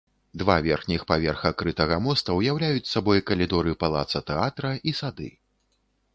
Два верхніх паверха крытага моста ўяўляюць сабой калідоры палаца тэатра і сады.